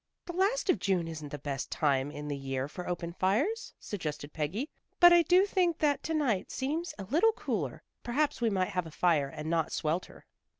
"The last of June isn't the best time in the year for open fires," suggested Peggy. "But I do think that to night seems a little cooler. Perhaps we might have a fire and not swelter."